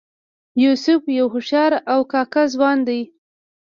یوسف یو هوښیار او کاکه ځوان دی.